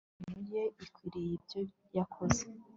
impano ye ikwiriye ibyo yakoze